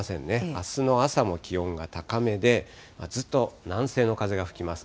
あすの朝も気温が高めで、ずっと南西の風が吹きます。